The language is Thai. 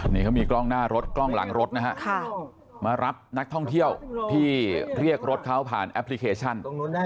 นี่เขามีกล้องหน้ารถกล้องหลังรถนะฮะมารับนักท่องเที่ยวที่เรียกรถเขาผ่านแอปพลิเคชัน